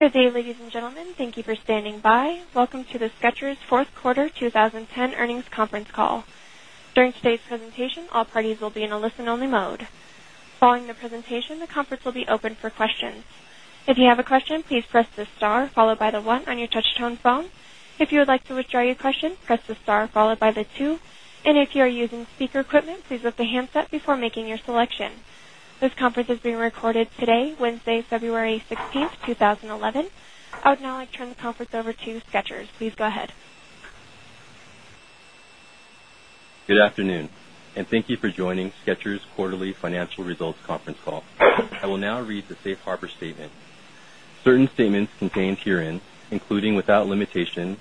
Good day, ladies and gentlemen. Thank you for standing by. Welcome to the SKECHERS 4th Quarter 2010 Earnings Conference Call. During today's presentation, all parties will be in a listen only mode. Following the presentation, the conference will be opened for questions. Conference is being recorded today, Wednesday, February 16, 2011. I would now like to turn the conference over to Skechers. Please go ahead. Good afternoon and thank you for joining Skechers' quarterly financial results conference call. I will now read the Safe Harbor statement. Certain statements contained herein, including without limitation,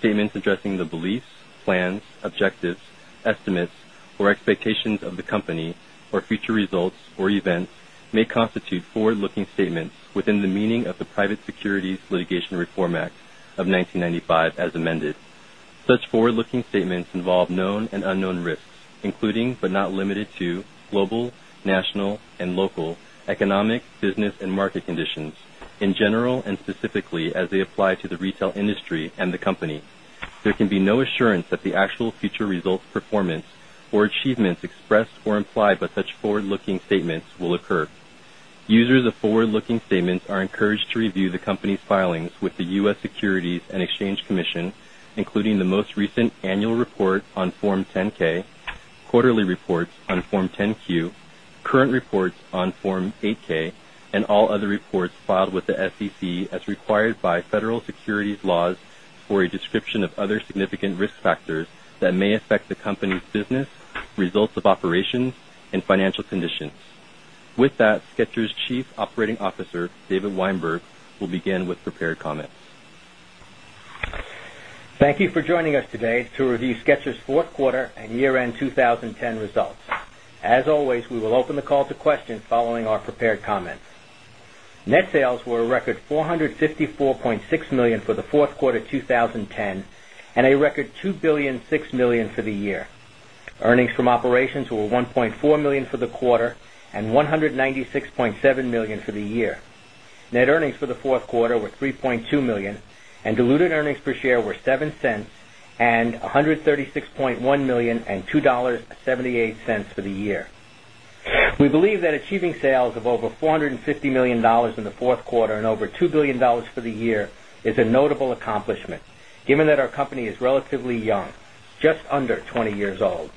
statements addressing the beliefs, plans, objectives, estimates or expectations of the company or future results or events may constitute forward looking statements within the meaning of the Private Securities Litigation Reform Act of 1995 as amended. Such forward looking statements involve known and unknown risks, including but not limited to global, national and local economic, business and market conditions, in general and specifically as they apply to the retail industry and the company. There can be no assurance that the actual future results, performance or achievements expressed or implied by such forward looking statements will occur. Users of forward looking statements are encouraged to review the company's filings with the U. S. Securities and Exchange Commission, including the most recent annual report on Form 10 ks, quarterly reports on Form 10 Q, current reports on Form 8 ks and all other reports filed with the SEC as required by federal securities laws for a description of other significant risk factors that may affect the company's business, results of operations and financial conditions. With that, Skechers' Chief Operating Officer, David Weinberg, will begin with prepared comments. Thank you for joining us today to review Skechers' 4th quarter year end 2010 results. As always, we will open the call to questions following our prepared comments. Net sales were a record 454,600,000 dollars for the Q4 2010 and a record $2,006,000,000 for the year. Earnings from operations were 1 $400,000 for the quarter $196,700,000 for the year. Net earnings for the Q4 were $3,200,000 and diluted earnings per share were 0.07 $136,100,000 $2.78 for the year. We believe that achieving sales of over $450,000,000 in the Q4 and over $2,000,000,000 for the year is a notable accomplishment given that our company is relatively young, just under 20 years old.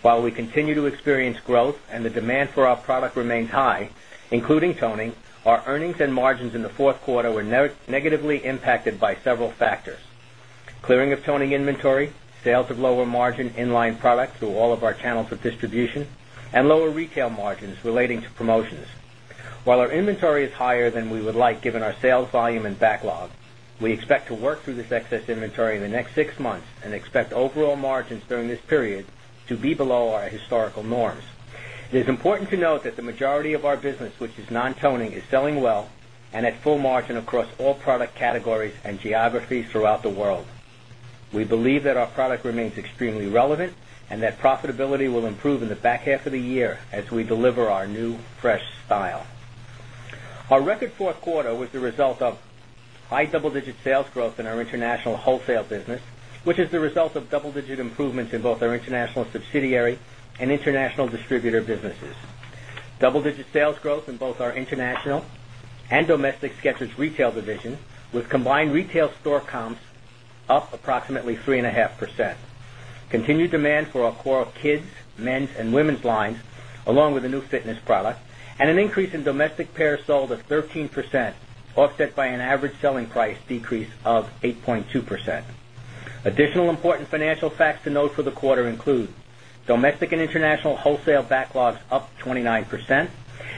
While we continue to experience growth and the demand for our product remains high, including toning, our earnings and margins in the Q4 were negatively impacted by several factors: clearing of toning inventory, sales of lower margin in line product through all of our channels of distribution and lower retail margins relating to promotions. While our inventory is higher than we would like given our sales volume and backlog, expect to work through this excess inventory in the next 6 months and expect overall margins during this period to be below our historical norms. It is important to note that toning is selling well and at full margin across all product categories and geographies throughout the world. We believe that our product remains extremely relevant and that profitability will improve in the back half of the year as we deliver our new fresh style. Our record Q4 was the result of high double digit sales growth in our international wholesale business, which is the result of double digit improvements in both our international and comps up approximately 3.5%. Continued demand for our core kids, men's and women's lines along with the new fitness product and an increase in domestic pairs sold of 13% offset by an average selling price decrease of 8.2%. Additional important financial facts to note for the quarter include domestic international wholesale backlogs up 29%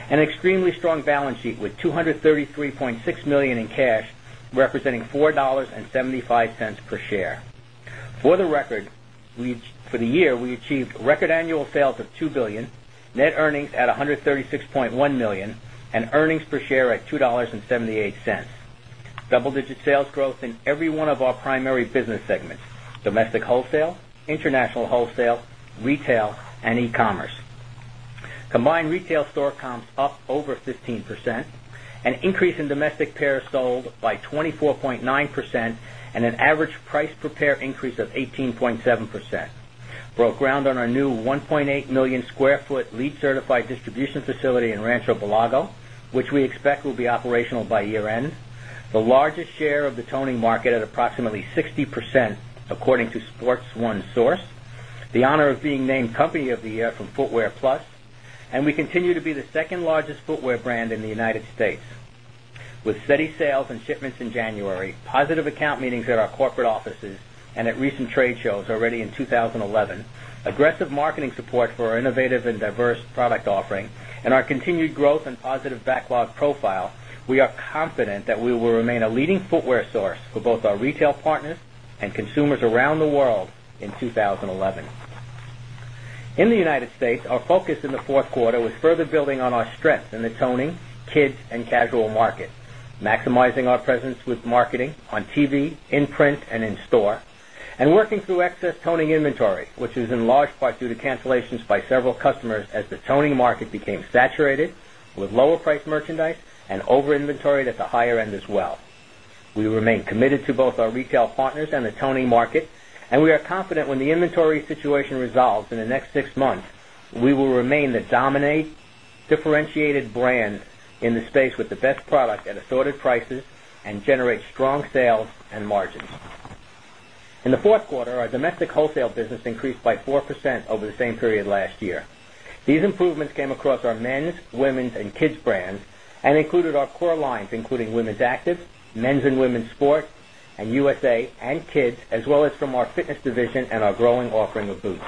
and extremely strong balance sheet with $233,600,000 in cash, representing $4.75 per share. For the record, for the year, we achieved record annual sales of $2,000,000,000 net earnings at 136 point $1,000,000 and earnings per share at $2.78 double digit sales growth in every one of our primary business segments, domestic wholesale, international wholesale, retail and e commerce. Combined retail store comps up over 15%, an increase in domestic pairs sold by 24.9% and an average price per pair increase of 18.7%, broke ground on our new 1,800,000 square foot LEED certified distribution facility in Rancho Belago, which we expect will be operational by year end, the largest share of the toning market at approximately 60% according to SportsOne source, the honor of being named company of the year from Footwear Plus and we continue to be the 2nd largest footwear brand in the United States. With steady sales and shipments in January, positive account meetings at our corporate offices and recent trade shows already in 2011, aggressive marketing support for our innovative and diverse product offering and our continued growth and positive backlog profile, we are confident that we will remain a leading footwear source for both our retail partners and consumers around the world 11. In the United States, our focus in the Q4 was further building on our strength in the toning, kids and casual market, maximizing our presence with marketing on TV, in print and in store and working through excess toning inventory, which is in large part due to cancellations by several customers as the toning market became saturated with lower priced merchandise and over inventoried at the higher end as well. We remain committed to both our retail partners and the Tony market and we are confident when the inventory situation resolves in the next 6 months, we will remain the dominate differentiated brand in the space with the best product at assorted prices and generate strong sales and margins. In the Q4, our domestic wholesale business increased by 4% over the same period last year. These improvements came across our men's, women's and kids brands and included our core lines including women's active, men's and women's sport and USA and kids as well as from our fitness division and our growing offering of boots.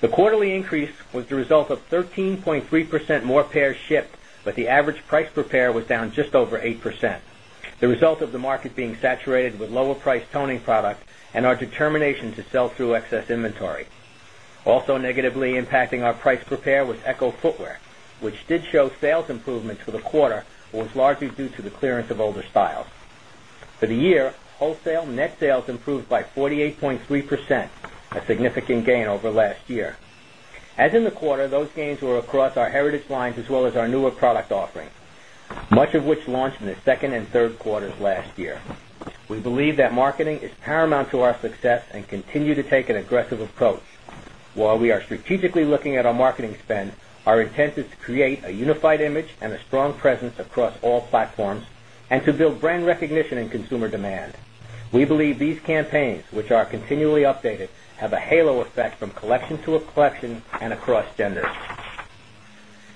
The quarterly increase was the result of 13.3% more pairs shipped, but the average price per pair was down just over 8%. The result of the market being saturated with lower priced toning product and our determination to sell through excess inventory. Also negatively impacting our price prepare was Echo Footwear, which did show sales improvements for the quarter, but was largely due to the clearance of older styles. For the year, wholesale net sales improved by 48.3%, a significant gain over last year. As in the quarter, those gains were across our heritage lines as well as our newer product offering, much of which launched in the second and third quarters last year. We believe that marketing is paramount to our success and continue to take an aggressive approach. While we are strategically looking at our marketing spend, our intent is to create a unified image and a strong presence across all platforms and to build brand recognition and consumer demand. We believe these campaigns, which are continually updated, have a halo effect from collection to collection and across genders.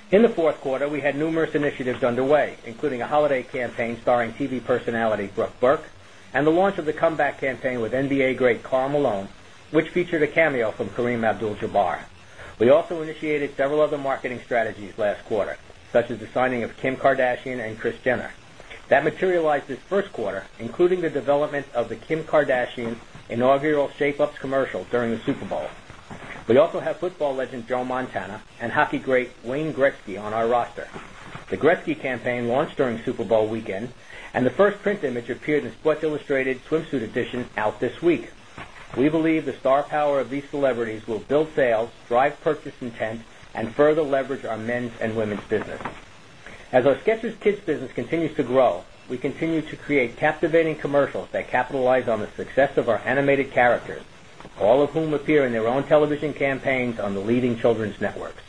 In the Q4, we had numerous initiatives underway, including a holiday campaign starring TV personality Brooke Burke and the launch of the comeback campaign with NBA great Karl Malone, which featured a cameo from Kareem Abdul Jabbar. We also initiated several other marketing strategies last quarter, such as the signing of Kim Kardashian and Kris Jenner. That materialized this Q1, including the development of the Kim Kardashian inaugural Shape Ups commercial during the Super Bowl. We also have football legend, Joe Montana and hockey great Wayne Gretzky on our roster. The Gretzky campaign launched during Super Bowl weekend and the first print image appeared in the Sports Illustrated Swimsuit Edition out this week. We believe the star power of celebrities will build sales, drive purchase intent and further leverage our men's and women's business. As our SKECHERS KIDS business continues to grow, we continue to create captivating commercials that capitalize on the success of our animated characters, all of whom appear in their own television campaigns on the leading children's networks.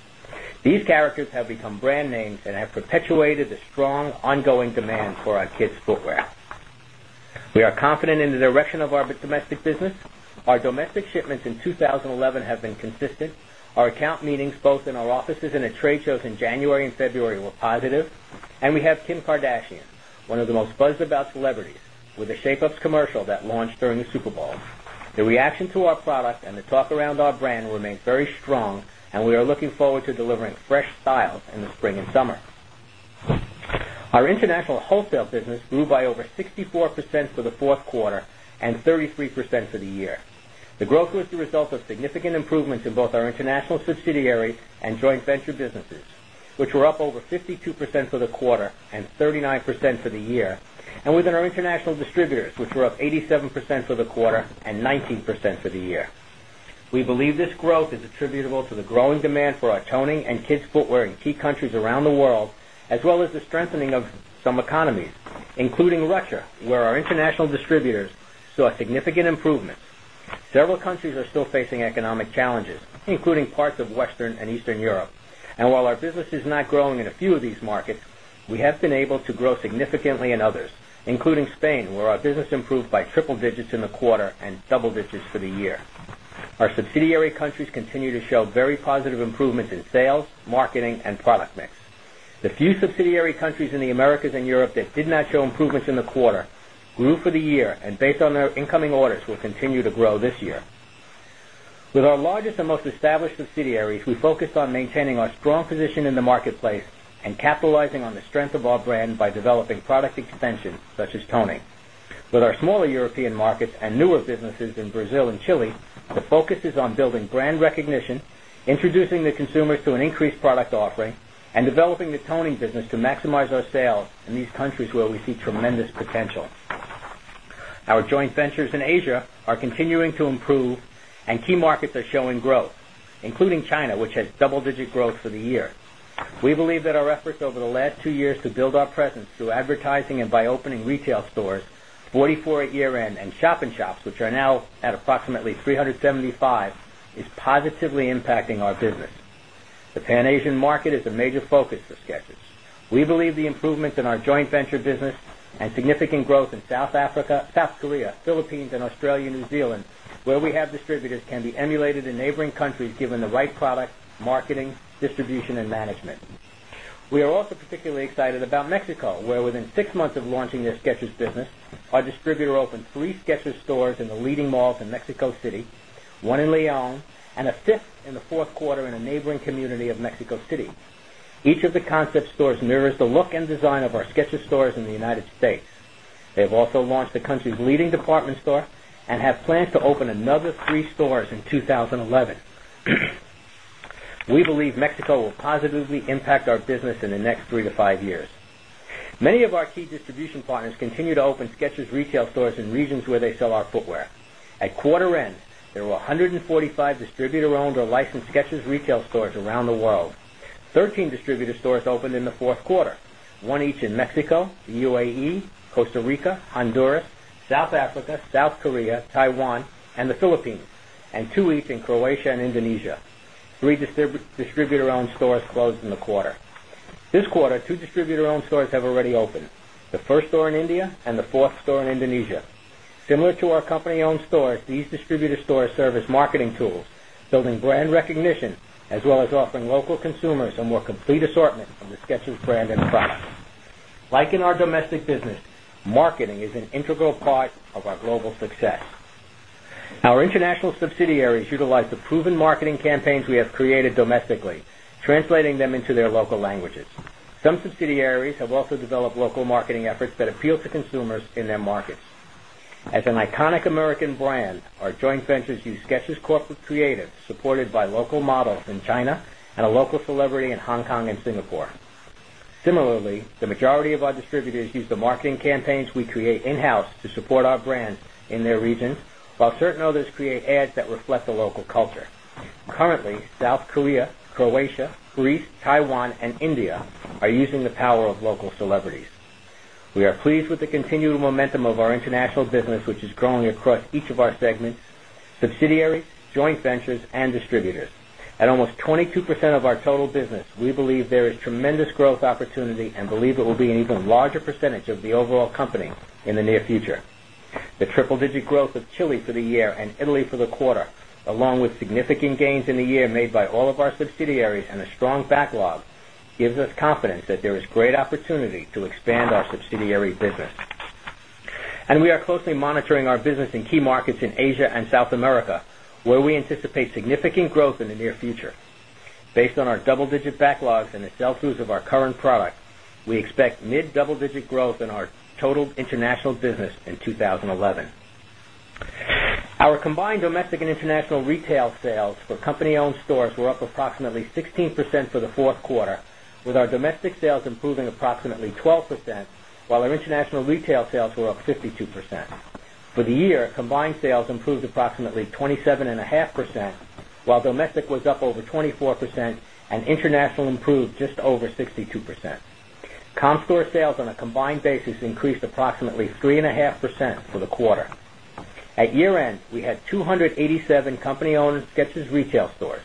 These characters have become brand names and have perpetuated the strong ongoing demand for our kids' footwear. We are confident in the direction of our domestic business. Our domestic shipments in 2011 have been consistent. Our account meetings both in our offices and trade shows in January February were positive. And we have Kim Kardashian, one of the most buzzed about celebrities with a Shape Ups commercial that launched the Super Bowl. The reaction to our product and the talk around our brand remains very strong and we are looking forward to delivering fresh styles in the spring summer. Our international wholesale business grew by over 64% for the Q4 and 33% for the year. The growth was the result of significant improvements in both our international subsidiaries and joint venture businesses, which were up over 52% for the quarter and 39% for the year and within our international distributors, which were up 87% for the quarter 19% for the year. We believe this growth is attributable to the growing demand for our toning and kids footwear in key countries around the world as well as the strengthening of some economies including Russia where our international significant improvement. Several countries are still facing economic challenges, including parts of Western and Eastern Europe. And while our business is not growing in a few of these markets, we have been able to grow significantly in others including Spain where our business improved by triple digits in the quarter and double digits for the year. Our subsidiary countries continue to show very positive improvements in sales, marketing and product mix. The few subsidiary countries in the Americas and Europe that did not show improvements in the quarter grew for the year and based on their incoming orders will continue to grow this year. With our largest and most established subsidiaries, we focused on maintaining our strong position in the marketplace and capitalizing on the strength of our brand by developing product extensions such as toning. With our smaller European markets and newer businesses in Brazil and Chile, the focus is on building brand introducing the consumers to an increased product offering and developing the toning business to maximize our sales in these countries where we see tremendous potential. Our joint ventures in Asia are continuing to improve and key markets are showing growth, including China, which has double digit growth for the year. We believe that our efforts over the last 2 years to build our presence through advertising and by opening retail stores 44 at year end and shop in shops which are now at approximately 375 is positively impacting our business. The Pan Asian market is a major focus for Skechers. We believe the improvements in our joint venture business and significant growth in South Africa, South Korea, Philippines and Australia, New Zealand, where we have distributors can be emulated in neighboring countries given the right product, marketing, distribution and management. We are also particularly excited about Mexico where within 6 months of launching their SKECHERS business, our distributor opened 3 SKECHERS stores in the leading malls in Mexico City, one in Leon and a 5th in the Q4 in a neighboring community of Mexico City. Each of the concept stores mirrors the look and design of our SKECHERS stores in the United States. They've also launched the country's leading department store and have plans to open another 3 stores in 2011. We believe Mexico will positively impact our business in the next 3 to 5 years. Many of our key distribution partners continue to open SKECHERS retail stores in regions where they sell our footwear. At quarter end, there were 145 distributor owned or licensed SKECHERS retail stores around the world. 13 distributor stores opened in the Q4, 1 each in Mexico, the UAE, Costa Rica, Honduras, South Africa, South Korea, Taiwan and the Philippines and 2 each in Croatia and Indonesia. 3 distributor owned stores closed in the quarter. This quarter 2 distributor owned stores have already opened, the 1st store in India and the 4th store in Indonesia. Similar to our company owned stores, these distributor stores service marketing tools, building brand recognition as well as offering local consumers a more complete assortment of the SKECHERS brand and product. Like in our domestic business, marketing is an integral part of our global success. Our international subsidiaries utilize the proven marketing campaigns we have created domestically, translating them into their local languages. Some subsidiaries have also developed local marketing efforts that appeal to consumers in their markets. As an iconic American brand, our joint ventures use SKECHERS corporate creative supported by local models in China and a local celebrity in Hong Kong and Singapore. Similarly, the majority of our distributors use the marketing campaigns we create in house to support our brands in their regions, while certain others create ads that reflect local culture. Currently, South Korea, Croatia, Greece, Taiwan and India are using the power of local celebrities. We are pleased with the continued momentum of our international business which is growing across each of our segments, subsidiaries, joint ventures and distributors. At almost 22% of our total business, we believe there is tremendous growth opportunity and believe it will be an even larger percentage of the overall company in the near future. The triple digit growth of Chile for the year and Italy for the quarter along with significant gains in the year made by all of our subsidiaries and a strong backlog gives us confidence that there is great opportunity to expand our subsidiary business. And we are closely monitoring our business in key markets in Asia and South America, we anticipate significant growth in the near future. Based on our double digit backlogs and the sell throughs of our current product, we expect mid double digit growth in our total international business in 2011. Our combined domestic and international retail sales for company owned stores were up approximately 16% for the Q4 with our domestic sales improving approximately 12%, while our international retail sales were up 52%. For the year, combined sales improved approximately 27.5%, while domestic was up over 24% and international improved just over 62%. Com store sales on a combined basis increased approximately 3.5% for the quarter. At year end, we had 287 company owned SKECHERS retail stores.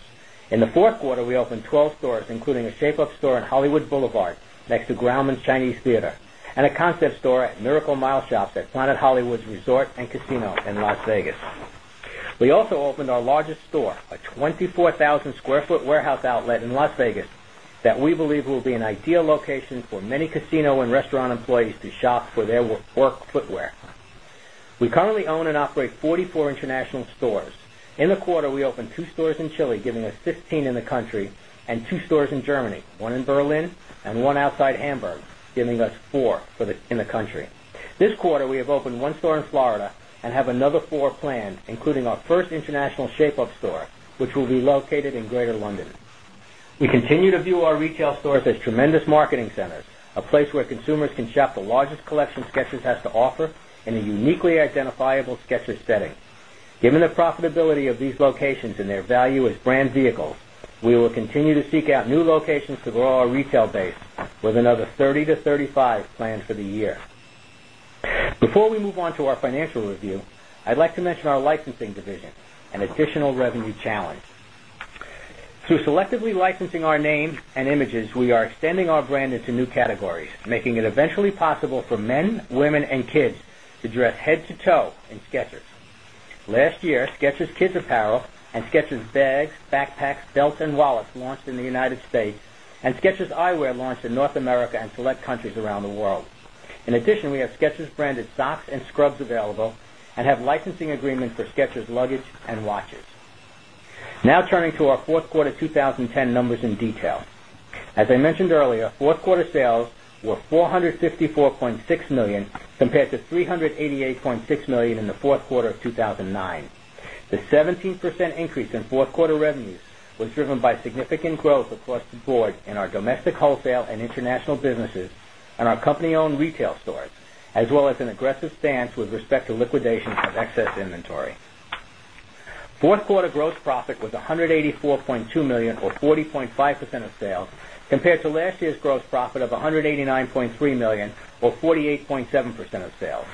In the Q4, we opened 12 stores including a shape up store in Hollywood Boulevard next to Grauman's Chinese Theater and a concept store at Miracle Mile Shops at Planet Hollywood's Resort and Casino in Las Vegas. We also opened our largest store, a 24,000 square foot warehouse outlet in Las Vegas that we believe will be an ideal location for many casino and restaurant employees to shop for their work footwear. We currently own and operate 44 international stores. In the quarter, we opened 2 stores in Chile giving us 15 in the country and 2 stores in Germany, 1 in Berlin and 1 outside Hamburg giving us 4 in the country. This quarter, we have opened 1 store in Florida and have another 4 planned including our 1st international shape up store, which will be located in Greater London. We continue to view our retail stores as tremendous marketing centers, a place where consumers can shop the largest collection SKECHERS has to offer in a uniquely identifiable SKECHERS setting. Given the profitability of these locations and their value as brand vehicles, we will continue to seek out new locations to grow our retail base with another 30 to 35 planned for the Before we move on to our financial review, I'd like to mention our licensing division, an additional revenue challenge. Through selectively licensing our names and images, we are extending our brand into new categories, making it eventually possible for men, women and kids to dress head to toe in SKECHERS. Last year, SKECHERS kids apparel and SKECHERS bags, backpacks, belts and wallets launched in the United States and SKECHERS Eyewear launched in North America and select countries around the world. In addition, we have SKECHERS branded socks and scrubs available and have licensing agreements for SKECHERS luggage and watches. Now turning to our Q4 2010 numbers in detail. As I mentioned earlier, 4th quarter sales were $454,600,000 compared to $388,600,000 in the Q4 of 2,009. The 17% increase in 4th quarter revenues driven by significant growth across the board in our domestic wholesale and international businesses and our company owned retail stores as well as an aggressive stance with respect to liquidation of excess inventory. 4th quarter gross profit was 184,200,000 dollars or 40.5 percent of sales compared to last year's gross profit of $189,300,000 or 48.7 percent of sales.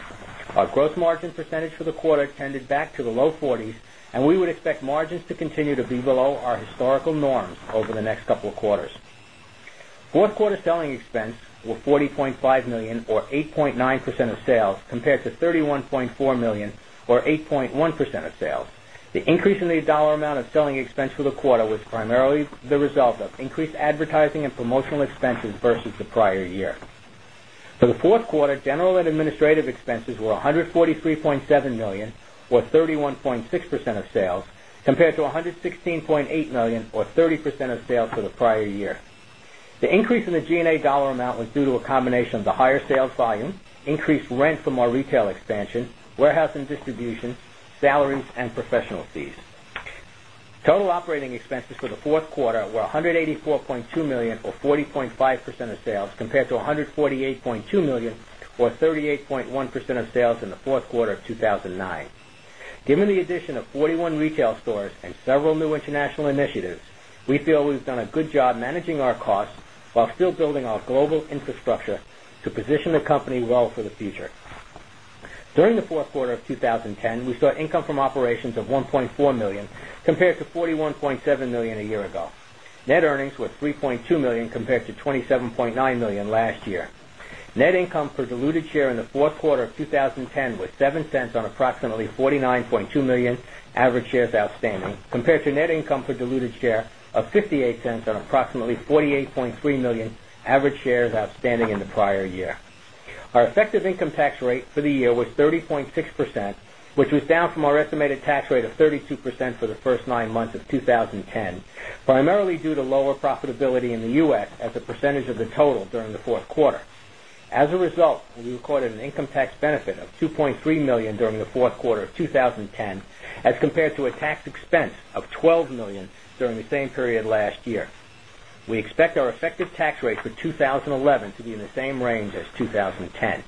Our gross margin percentage for the quarter tended back to the low 40s and we would expect margins to continue to be below our historical norms over the next couple of quarters. 4th quarter selling expense were $40,500,000 or 8.9 percent of sales compared to $31,400,000 or 8.1 percent of sales. The increase in the dollar amount of selling expense for the quarter was primarily the result of increased advertising and promotional expenses versus the prior year. For the Q4, general and administrative expenses were $143,700,000 or 31.6 percent of sales compared to 116.8 dollars or 30 percent of sales for the prior year. The increase in the G and A dollar amount was due to a combination of the higher sales volume, increased rent from our retail expansion, warehouse and distribution, salaries and professional fees. Total operating expenses for the 4th quarter were $184,200,000 or 40.5 percent of sales compared to $148,200,000 or 38.1 percent of sales in the Q4 of 2,009. Given the addition of 41 retail stores and several new international initiatives, we feel we've done a good job managing our costs while still building our global infrastructure to position the company well for the future. During the Q4 of 2010, we saw income from operations of $1,400,000 compared to $41,700,000 a year ago. Net earnings were $3,200,000 compared to $27,900,000 last year. Net income per diluted share in the Q4 of 20 10 was $0.07 on approximately 49,200,000 average shares outstanding compared to net income per diluted share of $5.8 on approximately 48,300,000 average shares outstanding in the prior year. Our effective income tax rate for the year was 30.6 percent, which was down from our estimated tax rate of 32% for the 1st 9 months of 2010, primarily due to lower profitability in the U. S. As a percentage of the total during the Q4. As a result, we recorded an income tax benefit of $2,300,000 during the Q4 of 2010 as compared to a tax expense of $12,000,000 during the same period last year. We expect our effective tax rate for 2011 to be in the same range as 2010.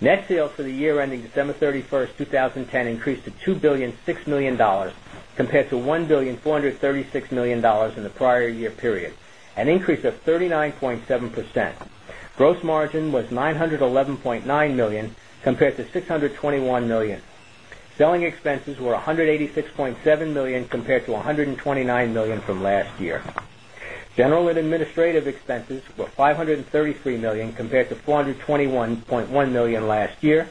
Net sales for the year ending December 31, 2010 increased to $2,006,000,000 compared to 1 $1,436,000,000 in the prior year period, an increase of 39.7%. Gross margin was $911,900,000 compared to $621,000,000 Selling expenses were $186,700,000 compared to $129,000,000 from last year. General and administrative expenses were $533,000,000 compared to $421,100,000 last year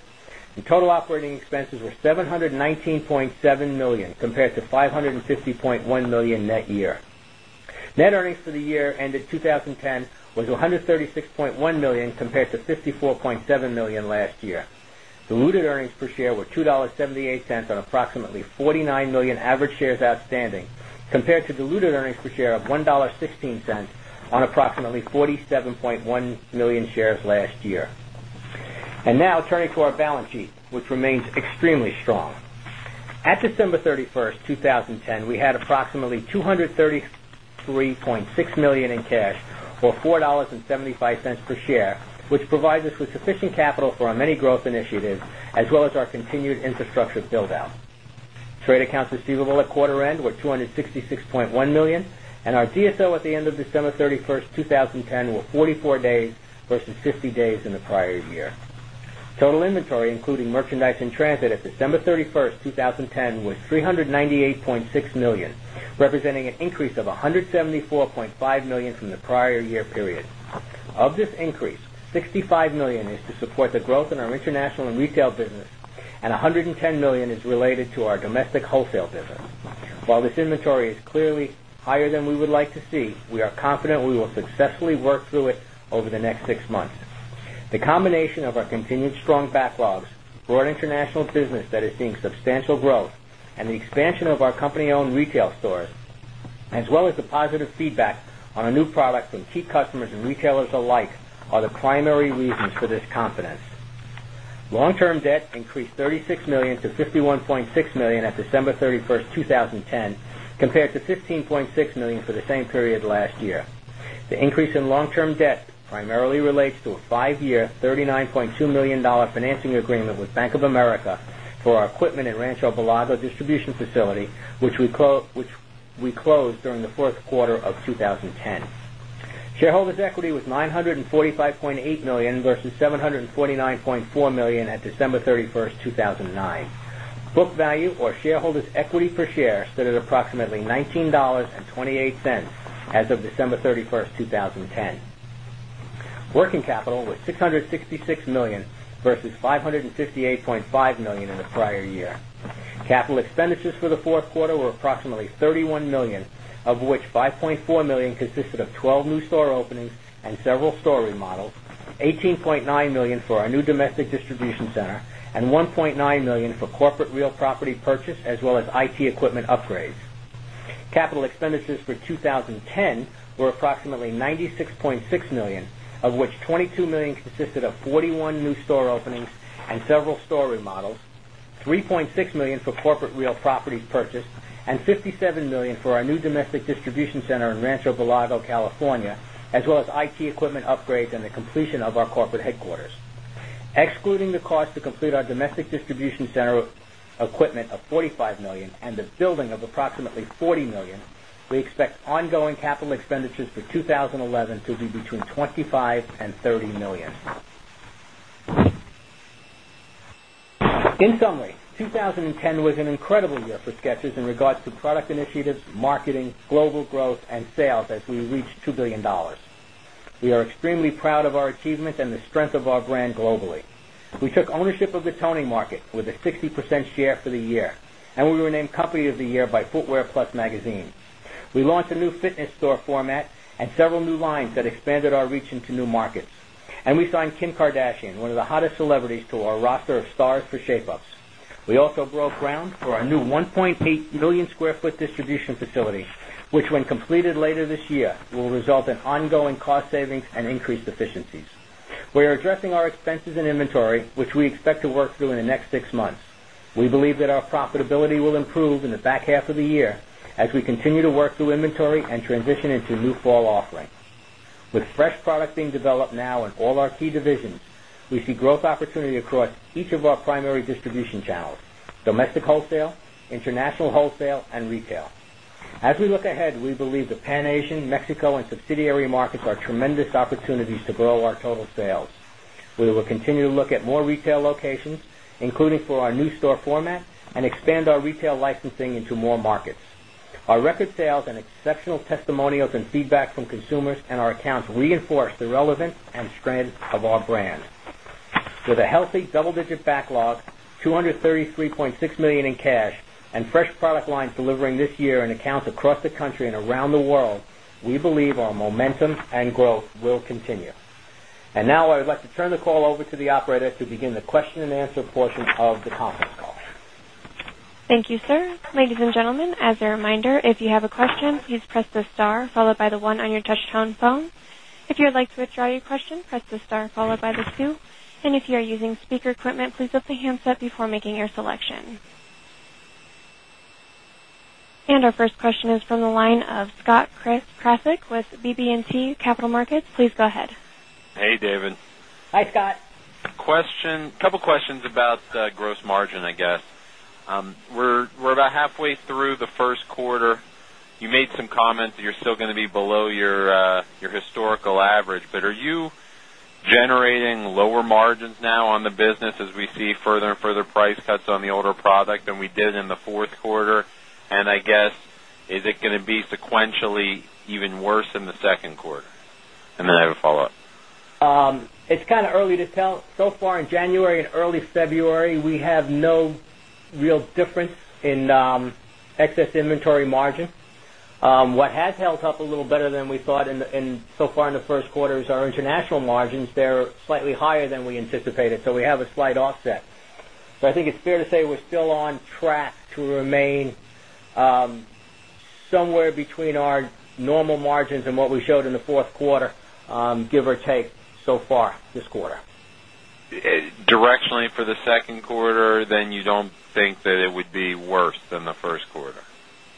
and total operating expenses were 719.7 $1,000,000 compared to $550,100,000 net year. Net earnings for the year ended 2010 was $136,100,000 compared to 54.7 $1,000,000 last year. Diluted earnings per share were $2.78 on approximately 49,000,000 average shares outstanding compared to diluted earnings per share of $1.16 on approximately 47,100,000 shares last year. And now turning to our balance sheet, which remains extremely strong. At December 31, 2010, we had approximately $233,600,000 in cash or 4 $0.75 per share, which provides us with sufficient capital for our many growth initiatives as well as our continued infrastructure build out. Trade accounts receivable at quarter end were $266,100,000 and our DSO at the end of December 31, 20 10 were 44 days versus 50 days in the prior year. Total inventory including merchandise in transit at December 31, 2010 was $398,600,000 representing an increase of $174,500,000 from the prior year period. Of this increase, 65,000,000 dollars is to support the growth in our international and retail business and $110,000,000 is related to our domestic wholesale business. While this inventory is clearly higher than we would like to see, we are confident we will successfully work through it over the next 6 months. The combination of our continued strong backlogs, broad international business that is seeing substantial growth and the expansion of our company owned retail stores as well as the positive feedback on our new product from key customers and retailers alike are the primary reasons for this confidence. Long term debt period last year. The increase in long term debt primarily relates to a 5 year $39,200,000 financing agreement with Bank of America for our equipment in Rancho Belaga distribution facility, which we closed during the Q4 of value or shareholders' equity per share stood at approximately $19.28 as of December 31, 2010. Working capital was $666,000,000 versus $558,500,000 in the prior year. Capital expenditures for the Q4 were approximately $31,000,000 of which $5,400,000 consisted of 12 new store openings and several store remodels, dollars 18,900,000 for our new domestic distribution center and $1,900,000 for corporate real property purchase as well as IT equipment upgrades. Capital expenses for 20 41 new store openings and several store remodels $3,600,000 for corporate real properties purchased and $57,000,000 for our new domestic distribution center in Rancho Villego, California as well as IT equipment upgrades and the completion of our corporate headquarters. Excluding the cost to complete our domestic distribution center equipment of $45,000,000 and the building of approximately $40,000,000 we expect ongoing capital expenditures for 20.11 to be between $25,000,000 $30,000,000 In summary, 2010 was an incredible year for Skechers in regards to product initiatives, marketing, global growth and sales as we reached $2,000,000,000 We are extremely proud of our achievements and the strength of our brand globally. We took ownership of the Toning market with a 60% share for the year and we were named Company of the Year by Footwear Plus Magazine. We launched a new fitness store format and several new lines that expanded our reach into new markets. And we signed Kim Kardashian, 1 of the hottest celebrities to our roster of stars for shape ups. We also broke ground for our new 1,800,000 square foot distribution facility, which when completed later this year will result in ongoing cost savings and increased efficiencies. We are addressing our expenses and inventory, which we expect to work through in the next 6 months. We believe that our profitability will improve in the back half of the year as we continue to work through inventory and transition into new fall offering. With fresh product being developed now in all our key divisions, we see growth opportunity across each of our primary distribution channels, domestic wholesale, international wholesale and retail. As we look ahead, we believe the Pan Asian, Mexico and subsidiary markets are tremendous opportunities to grow our total sales. We will continue to look at more retail locations, including for our new store format and expand our retail licensing into more markets. Our record sales and exceptional testimonials and feedback from consumers and our accounts reinforce the relevance and strength of our brand. With a healthy double digit backlog, $233,600,000 in cash and fresh product lines delivering this year and accounts across the country and around the world, we believe our momentum and growth will continue. And now I would like to turn the call over to the operator to begin the question and answer portion of the conference call. Thank you, sir. And our first question is from the line of Scott Krasek with BB and T Capital Markets. Please go ahead. Hey, David. Hi, Scott. Couple of questions about gross margin, I guess. We're about halfway through the Q1. You made some comments that you're still going to be below your historical average, but are you generating lower margins now on the business as see further and further price cuts on the older product than we did in the Q4? And I guess, is it going to be sequentially even worse in the Q2? And then I have a follow-up. It's kind of early to tell. So far in January early February, we have no real difference in excess inventory margin. What has held up a little better than we thought in so far in the first quarter is our international margins. They're slightly higher than we anticipated. So we have a slight offset. So I think it's fair to say we're still on track to remain somewhere between our normal margins and what we showed in the Q4, give or take so far this quarter. Directionally for the Q2, then you don't think that it would be worse than the Q1?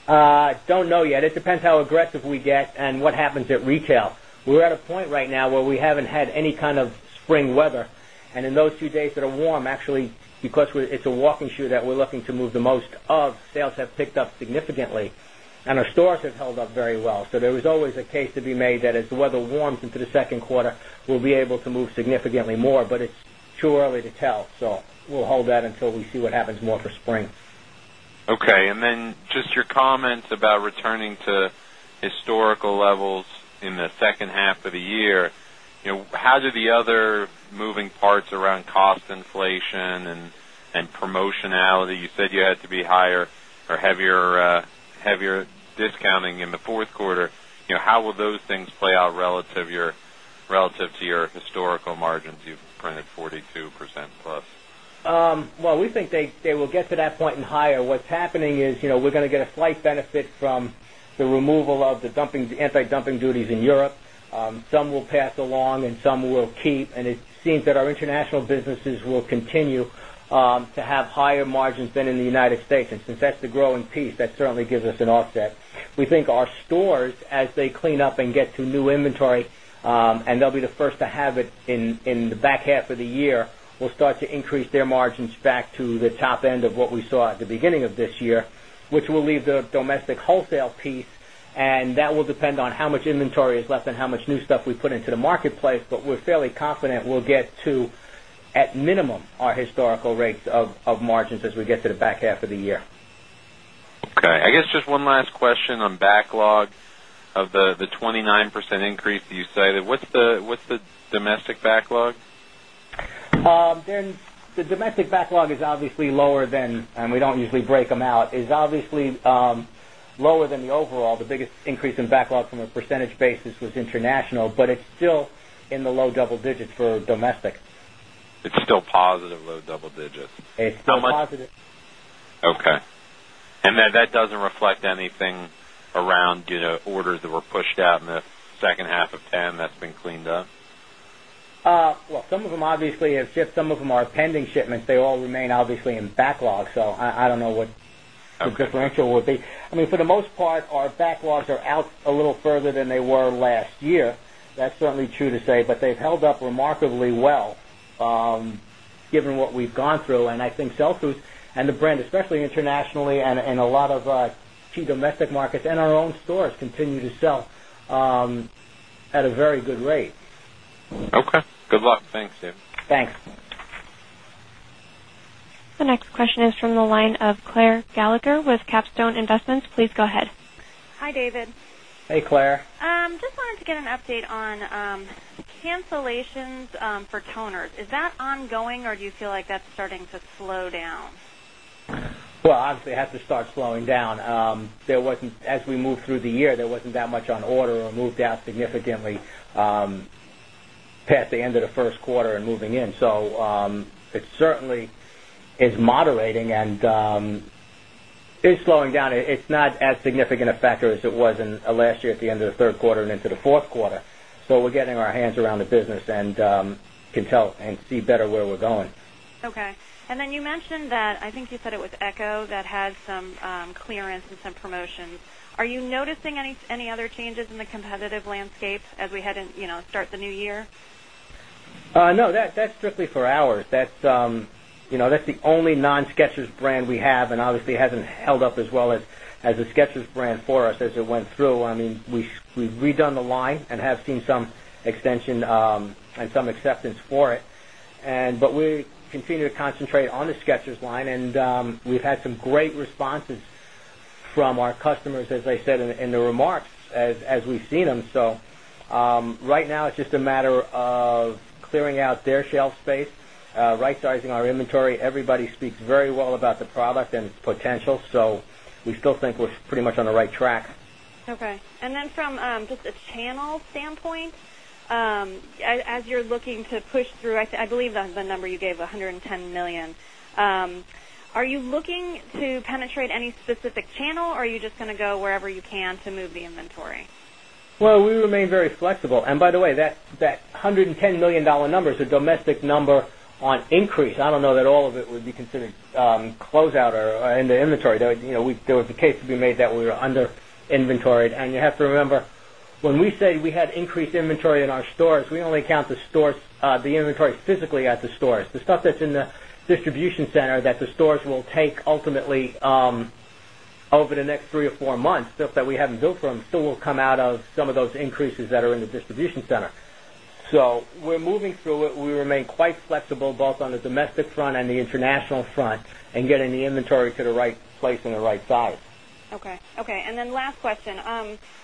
I don't know yet. It depends how aggressive we get and what happens at retail. We're at a point right now where we haven't had any kind of spring weather. And in those two days that are warm actually because it's a walking shoe that we're looking to move the most of sales have picked up significantly and our stores have held up very well. So there was always a case to be made that as the weather warms into the Q2, we'll be able to move significantly more, but it's too early to tell. So we'll hold that until we see what happens more for spring. Okay. And then just your comments about returning to historical levels in the second half of the year, how do the other moving parts around cost inflation and promotionality, you said you had to be higher or heavier discounting in the Q4. How will those things play out relative to your historical margins you've printed 42% plus? Well, we think they will get to that point and higher. What's happening is we're going to get a slight benefit from the removal of the dumping anti dumping duties in Europe. Some will pass along and some will keep. And it seems that our international businesses will continue to have higher margins than in the United States. And since that's the growing piece that certainly gives us an offset. We think our stores as they clean up and get to new inventory and they'll be the first to have it in the back half of the year, we'll start to increase their margins back to the top end of what we saw at the beginning of this year, which will leave the domestic wholesale piece and that will depend on how much inventory is left and how much new stuff we put into the marketplace, but we're fairly confident we'll get to at minimum our historical rates of margins as we get to the back half of the year. Okay. I guess just one last question on backlog of the 29% increase that you cited. What's the domestic backlog? The domestic backlog is obviously lower than and we don't usually break them out, is obviously lower than the overall. The biggest increase in backlog from a percentage basis was international, but it's still in the low double digits for domestic. It's still positive low double digits. It's still positive. Okay. And that doesn't reflect anything around orders that were pushed out in the second half of 'ten that's been cleaned up? Well, some of them obviously have shipped, some of them are pending shipments. They all remain obviously in backlog. So I don't know what differential would be. I mean for the most part, our backlogs are out a little further than they were last year. That's certainly true to say, but they've held up remarkably well given what we've gone through. And I think sell throughs and the brand especially internationally and a lot of key domestic markets and our own stores continue to sell at a very good rate. Okay. Good luck. Thanks, Steve. Thanks. The next question is from the line of Claire Gallagher with Capstone Investments. Please go ahead. Hi, David. Hey, Claire. Just wanted to get an update on cancellations for toners. Is that ongoing? Or do you feel like that's starting to slow down? Well, obviously, it has to start slowing down. There wasn't as we move through the year, there wasn't that much on order or moved out significantly past the end of the Q1 and moving in. So it certainly is moderating and is slowing down. It's not as significant a factor as it was last year at the end of Q3 and into Q4. So we're getting our hands around the business and can tell and see better where we're going. Okay. And then you mentioned that I think you said it was Echo that had some clearance and some promotions. Are you noticing other changes in the competitive landscape as we head start the New Year? No, that's strictly for ours. That's the only non SKECHERS brand we have and obviously hasn't held up as well as the SKECHERS brand for us as it went through. I mean, we've redone the line and have seen some extension and some acceptance for it. And but we continue to concentrate on the SKECHERS line and we've had some great responses from our customers as I said in the remarks as we've seen them. So right now it's just a matter of clearing out their shelf space, rightsizing our inventory. Everybody speaks very well about the product and its potential. So we still think we're pretty much on the right track. Okay. And then from just a channel standpoint, as you're looking to push through, I believe that's the number you gave 110,000,000 dollars Are you looking to penetrate any specific channel or are you just going to go wherever you can to move the inventory? Well, we remain very flexible. And by the way, that $110,000,000 number is a domestic number on increase. I don't know that all of it would be considered closeout or in the inventory. There was a case to be made that we were under inventoried. And you have to remember, when we say we had increased inventory in our stores, we only count the stores the inventory physically at the stores. The stuff that's in the distribution center that the stores will take ultimately over the next 3 or 4 months stuff that we haven't built from still will come out of some of those increases that are in the distribution center. So we're moving through it. We remain quite flexible both on the domestic front and the international front and getting the inventory to the right place and the right size. Okay. Okay. And then last question.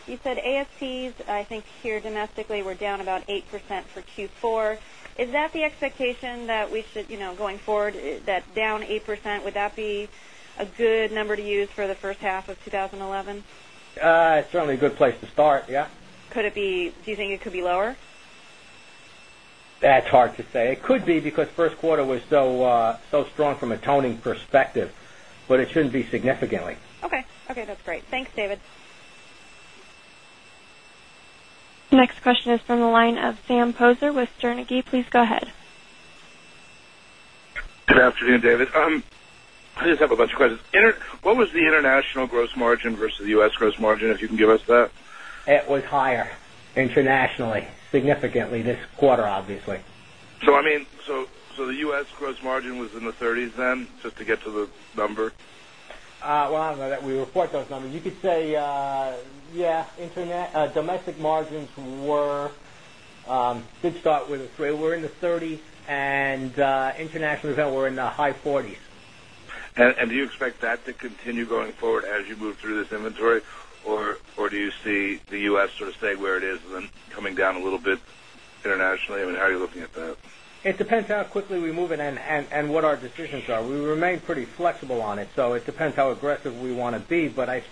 You said ASPs, I think here domestically were down about 8% for Q4. Is that the expectation that we should going forward that down 8 percent? Would that be a good number to use for the first half of twenty eleven? It's certainly a good place to start, yes. Could it be do you think it could be lower? That's hard to say. It could be because Q1 was so strong from a toning perspective, but it shouldn't be significantly. Okay. Okay. That's great. Thanks, David. Next question is from the line of Sam Poser with Sternity. Please go ahead. Good afternoon, David. I just have a bunch of questions. What was the international gross margin versus the U. S. Gross margin, if you can give us that? It was higher internationally, significantly this quarter, obviously. So I mean, Well, I don't know that we report those numbers. You could say, yes, Well, I don't know that we report those numbers. You could say, yes, Internet domestic margins were good start with a 3. We're in the 30% and international event we're in the high 40s. And do you expect that to continue going forward as you move through this inventory? Or do you see the U. S. Sort of stay where it is and then coming down a little bit internationally? I mean, how are you looking at that? It depends how quickly we move in and what our decisions are. We remain pretty flexible on it. So it depends how aggressive we want to be. But I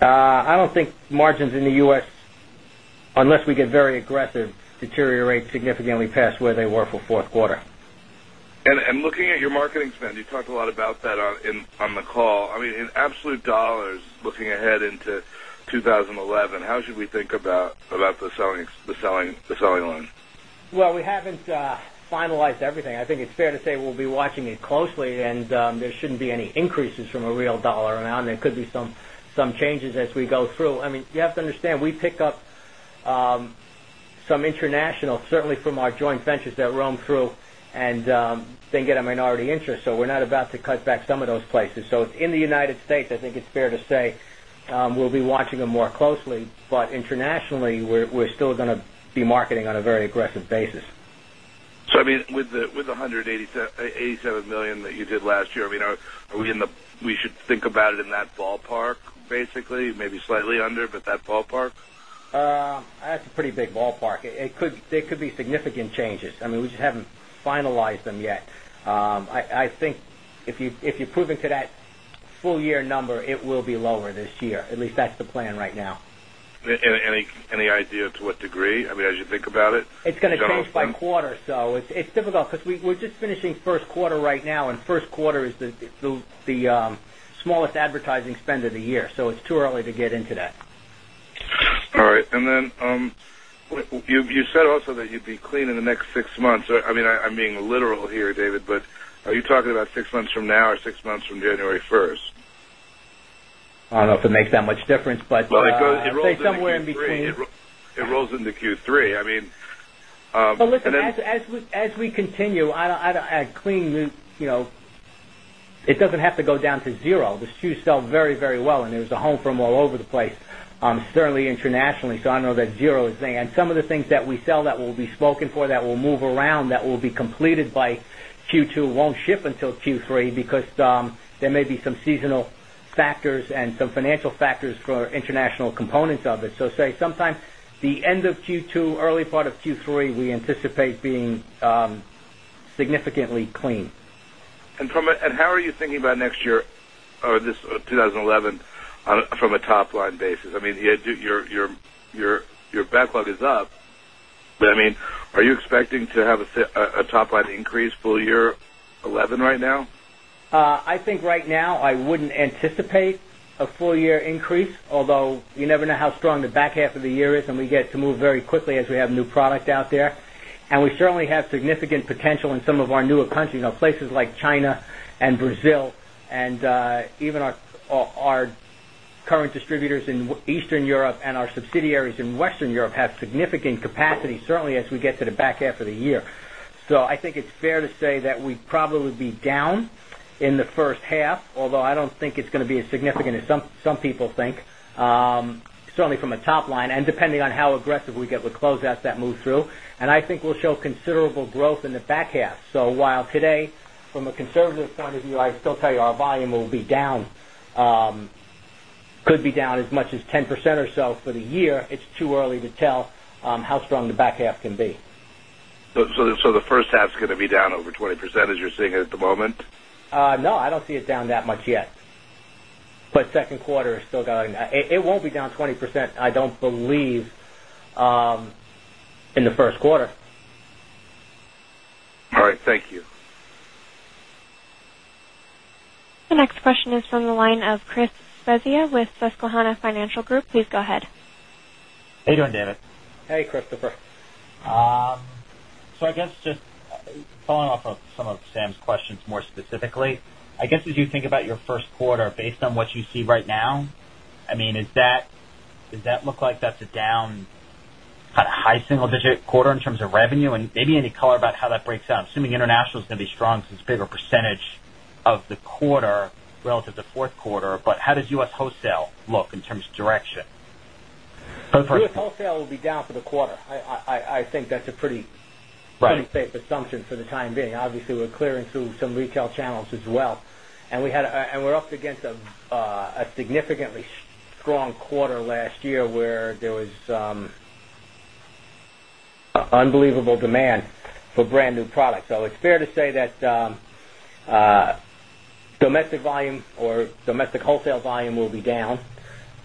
don't think margins in the U. S. Unless we get very aggressive deteriorate significantly past where they were for Q4. And looking at your marketing spend, you talked a lot about that on the call. I mean, in absolute dollars, looking ahead into 2011, how should we think about the selling loan? Well, we haven't finalized everything. I think it's fair to say we'll be watching it closely and there shouldn't be any increases from a real dollar amount. There could be some changes as we go through. I mean, you have to understand, we picked up some international certainly from our joint ventures that roam through and think at a minority interest. So we're not about to cut back some of those places. So in the United States, I think it's fair to say, we'll be watching them more closely. But internationally, we're still going to be marketing on a very aggressive basis. So I mean with the $187,000,000 that you did last year, I mean, are we in the we should think about it in that ballpark basically, maybe slightly under, but that ballpark? That's a pretty big ballpark. It could there could be significant changes. I mean, we just haven't finalized them yet. I think if you prove into that full year number, it will be lower this year, at least that's the plan right now. Any idea to what degree, I mean, as you think about it? It's going to change by quarter. So it's difficult because we're just finishing Q1 right now and Q1 the smallest advertising spend of the year. So it's too early to get into that. All right. And then you said also that you'd be clean in the next 6 months. I mean, I'm being literal here, David, but are you talking about 6 months from now or 6 months from January 1? I don't know if it makes that much difference, but Well, it goes it rolls into Q3. I mean Well, listen, as we continue, I don't add clean it doesn't have to go down to 0. The SKUs sell very, very well and there was a home from all over the place, certainly internationally. So I know that 0 is there. And some of the things that we sell that will be spoken for that will move around that will be completed by Q2 won't ship until Q3 because there may be some seasonal factors for international components of it. So say sometimes the end of Q2, early part of Q3, we anticipate being significantly clean. And from and how are you thinking about next year or this 2011 from a top line basis? I mean, your backlog is up. But I mean, are you expecting to have a top line increase full year 'eleven right now? I think right now, I wouldn't anticipate a full year increase, although you never know how strong the back half of the year is and we get to move very quickly as we have new product out there. And we certainly have significant potential in some of our newer countries, places like China and Brazil and even our current distributors in Eastern Europe and our subsidiaries in Western Europe have significant capacity certainly as we get to the back half of the year. So I think it's fair to say that we'd probably be down in the first half, although I don't think it's going to be as significant as some people think, certainly from a top line and depending on how aggressive we get with closeouts that move through. And I think we'll show considerable growth in the back half. So while today from a conservative point of view, I'd still tell you our volume will be down could be down as much as 10% or so for the year, it's too early to tell how strong the back half can be. So the first half is going to be down over 20% as you're seeing it at the moment? No, I don't see it down that much yet. But second quarter is still going it won't be down 20%, I don't believe in the Q1. All right. Thank you. The next question is from the line of Chris Svezia with Susquehanna Financial Group. Please go ahead. How are you doing David? Hey Christopher. So I guess just following up on some of Sam's questions more specifically, I guess as you think about your Q1 based on what you see right now, I mean is that does that look like that's a down kind of high single digit quarter in terms of revenue? And maybe any color about how that breaks out? Assuming international is going to be strong since bigger percentage of the quarter relative to Q4, but how does U. S. Wholesale look in terms of direction? U. S. Wholesale will be down for the quarter. I think that's a pretty safe assumption for the time being. Obviously, we're clearing through some retail channels as well. And we had and we're up against a significantly strong quarter last year where there was unbelievable demand for brand new products. So it's fair to say that domestic volume or domestic wholesale volume will be down.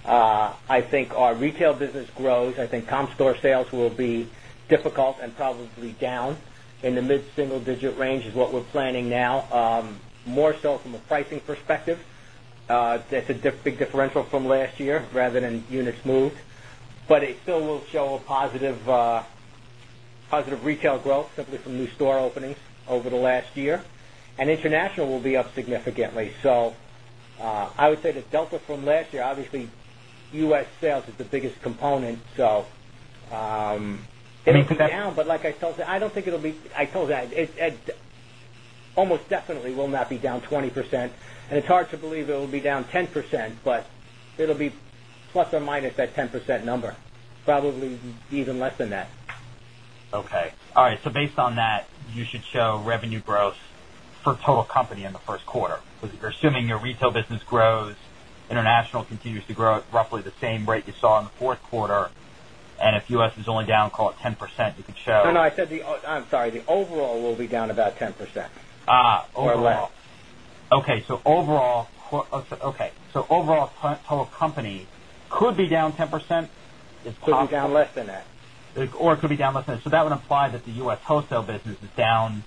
I think our retail business grows. I think comp store sales will be difficult and probably down in the mid single digit range is what we're planning now, more so from a pricing perspective. That's a big differential from last year rather than units moved. But it still will show a positive retail growth simply from new store openings over the last year. And international will be up significantly. So I would say the delta from last year, obviously, U. S. Sales is the biggest component. So it's down, but like I told you, I don't think it will be I told you that it almost definitely will not be down 20%. And hard to believe it will be down 10%, but it will be plus or minus that 10% number, probably even less than that. Okay. All right. So based on that, you should show revenue growth for total company in the Q1? Because you're assuming your retail business grows, international continues to grow at roughly the same rate you saw in the Q4. And if U. S. Is only down call it 10%, you could show No, no, I said the I'm sorry, the overall will be down about 10% or less. Okay. So overall okay. So overall total company be down 10%? It could be down less than that. Or it could be down less than that. So that would imply that the U. S. Wholesale business is down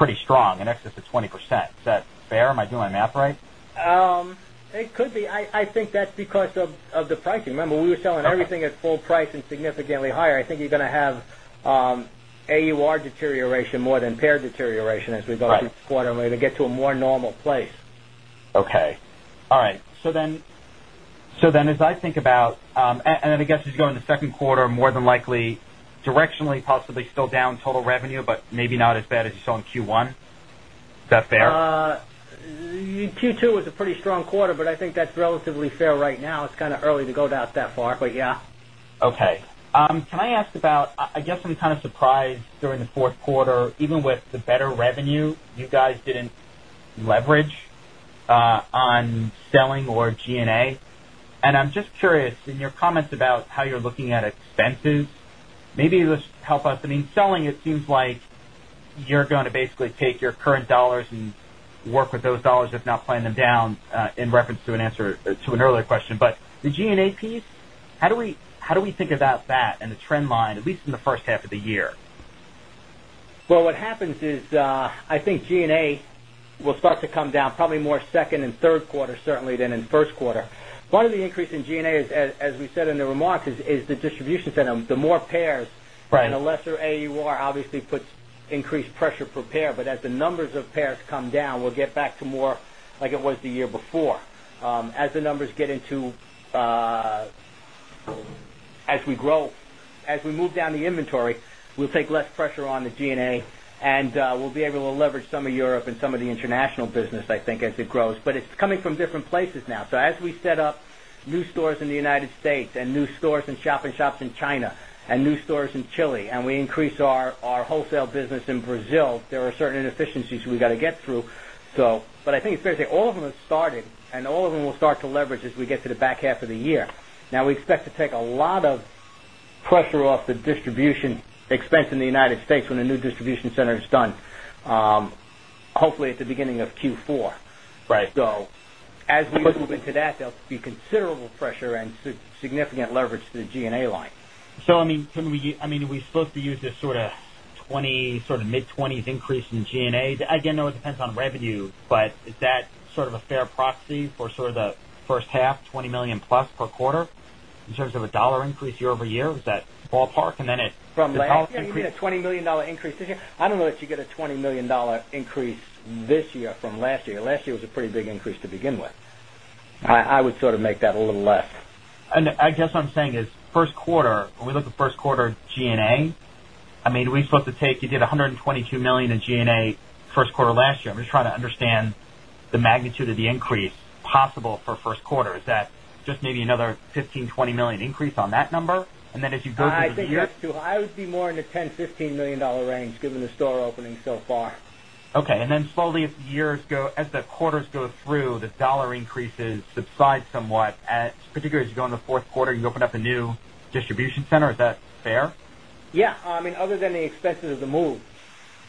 pretty strong in excess of 20%. Is that fair? Am I doing the math right? It could be. I think that's because of the pricing. Remember, we were selling everything at full price and significantly higher. I think you're going to have AUR deterioration more than paired deterioration as we go through the quarter and we're going to get to a more normal place. Okay. All right. So then as I think about and I guess as you go into the Q2 more than likely directionally possibly still down total revenue, but maybe not as bad as you saw in Q1. Is that fair? Q2 was a pretty strong quarter, but I think that's relatively fair right now. It's kind of early to go out that far, but yes. Okay. Can I ask about I guess, I'm kind of surprised during the Q4, even with the better revenue, you guys didn't leverage on selling or G and A? And I'm just curious in your comments about how you're looking at expenses. Maybe just help us. I mean selling it seems like you're going to basically take your current dollars and work with those dollars if not playing them down in reference to an answer to an earlier question. But the G and A piece, how do we about that and the trend line at least in the first half of the year? Well, what happens is I think G and A will start to come down probably more second and third quarter certainly than in Q1. Part of the increase in G and A as we said in the remarks is the distribution center. The more pairs and a lesser AUR obviously puts increased pressure per pair. But as the numbers of pairs come down, we'll get back to more like it was the year before. As the numbers get into as we grow as we move down the inventory, we'll take less pressure on the G and A and we'll be able to leverage some of Europe and some of the international business, I think, as it grows, but it's coming from different places now. So as we set up new stores in the United States and new stores in shop in shops in China and new stores in Chile and we increase our wholesale business in Brazil, there are certain inefficiencies we got to get through. So but I think it's fair to say, all of them have started and all of them will start to leverage as we get to the back half of the year. Now we expect to take a lot of pressure off the distribution expense in the United States when a new distribution center is done, hopefully at the beginning of Q4. So as we move into that, there will be considerable pressure and significant leverage to the G and A line. So I mean, can we I mean, are we supposed to use this sort of sort of mid-20s increase in G and A? Again, it depends on revenue, but is that sort of a fair proxy for sort of the first half $20,000,000 plus per quarter in terms of a dollar increase year over year? Was that ballpark? And then it From the dollar increase, a $20,000,000 increase this year. I don't know if you get a $20,000,000 increase this year from last year. Last year was a pretty big increase to begin with. I would sort of make that a little less. And I guess what I'm saying is, 1st quarter, when we look at Q1 G and A, I mean, we're supposed to take you did $122,000,000 in G and A Q1 last year. I'm just trying to understand the magnitude of the increase possible for Q1. Is that just maybe another $15,000,000 $20,000,000 increase on that number? And then as you go I think that's too high. I would be more in the $10,000,000 $15,000,000 range given the store openings so far. Okay. And then slowly as the quarters go through, the dollar increase is subside somewhat at particularly as you go into the Q4 and you open up a new distribution center. Is that fair? Yes. I mean other than the expenses of the move,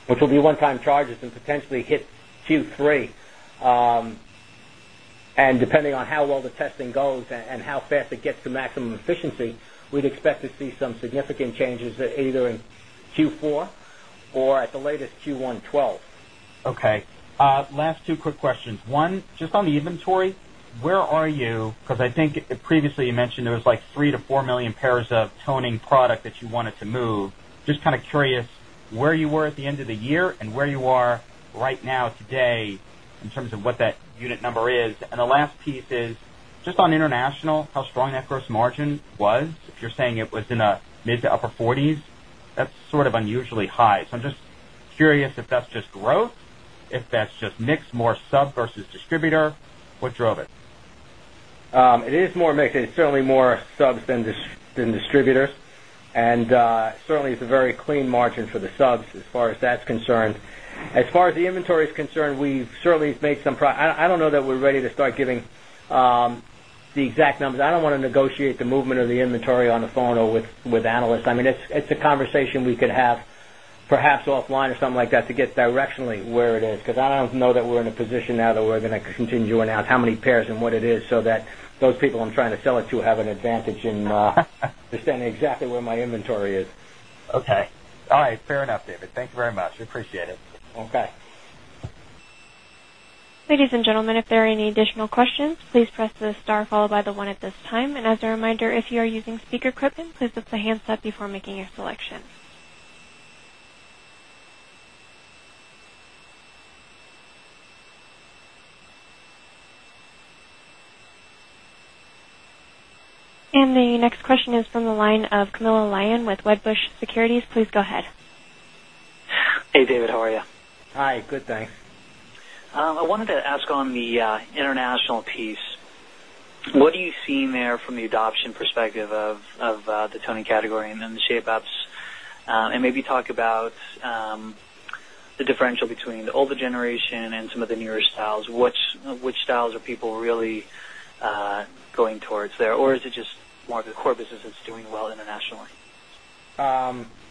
which will be one time charges and potentially hit Q3. And depending on how well the testing goes and how fast it gets to maximum efficiency, would expect to see some significant changes either in Q4 or at the latest Q1 2012. Okay. Last two quick questions. 1, just on the inventory, where are you? Because I think previously you mentioned there was like 3000000 to 4000000 pairs of toning product that you wanted to move. Just kind of curious where you were at the end of the year and where you are right now today in terms of what that unit number is? And the last piece is just on international, how strong that gross margin was? If you're saying it was in the mid to upper 40s, that's sort of unusually high. So I'm just curious if that's just growth, if that's just mix more sub versus distributor, what drove it? It is more mix. It's certainly more subs than distributors. And certainly it's a very clean margin for the subs as far as that's concerned. As far as the inventory is concerned, we've certainly made some I don't know that we're ready to start giving the exact numbers. I don't want to negotiate the movement of the inventory on the phone or with analysts. I mean, it's a conversation we could have perhaps offline or something like that to get directionally where it is because I don't know that we're in a position now that we're going to continue to announce how many pairs and what it is so that those people I'm trying to sell it to have an advantage in understanding exactly where my inventory is. Okay. All right. Fair enough, David. Thank you very much. We appreciate it. Okay. And the next question is from the line of Camilo Lyon with Wedbush Securities. Please go ahead. Hey, David. How are you? Hi. Good. Thanks. I wanted to ask on the international piece. What are you seeing there from the adoption perspective of the toning category and then the shape ups? And maybe talk about the differential between the older generation and some of the newer styles, which styles are people really going towards there? Or is it just more of the core business that's doing well internationally?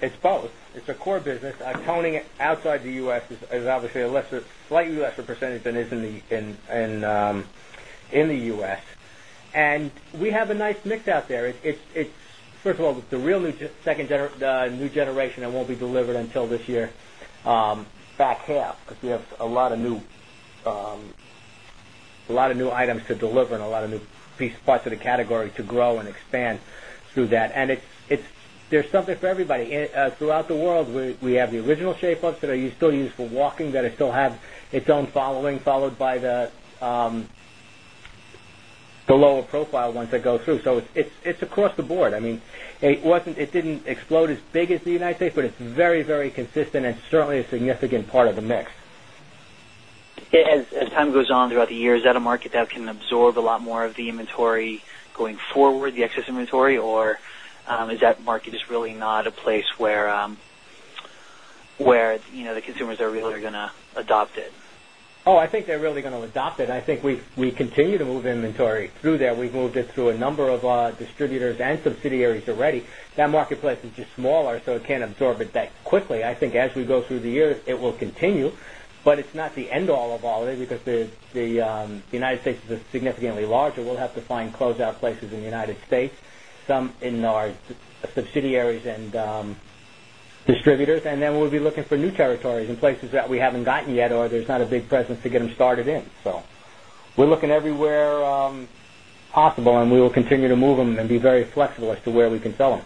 It's both. It's a core business. Toning outside the U. S. Is obviously a lesser slightly lesser percentage than it is in the U. S. And we have a nice mix out there. It's first of all, the real new generation that won't be delivered until this year back half as we have a lot of new items to deliver and a lot of new piece parts of the category to grow and expand through that. And it's there's something for everybody throughout the world. We have the original shape ups that are still used for walking that it still have its own following followed by the lower profile once they go through. So it's across the board. I mean it wasn't it didn't explode as big as the United States, but it's very, very consistent and certainly a significant part of the mix. As time goes on throughout the year, is that a market that can absorb a lot more of the inventory going forward, the excess inventory? Or is that market is really not a place where the consumers are really going to adopt it? Oh, I think they're really going to adopt it. I think we continue to move inventory through that. We've moved it through a number of distributors and subsidiaries already. That marketplace is just smaller, so it can't absorb it that quickly. I think as we go through the years, it will continue, but it's not the end all of all of it because the United States is significantly larger. We'll have to find closeout places in the United States, some in our subsidiaries and distributors. And then we'll be looking for new territories in places that we haven't gotten yet or there's not a big presence to get them started in. So we're looking everywhere possible and we will continue to move them and be very flexible as to where we can sell them.